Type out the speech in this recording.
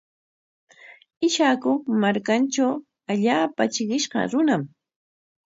Ishaku markantraw allaapa trikishqa runam.